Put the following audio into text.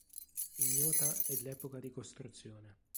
Ignota è l'epoca di costruzione.